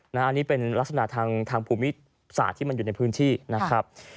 อันนี้เป็นลักษณะทางภูมิศาสตร์ที่มันอยู่ในพื้นที่นะครับ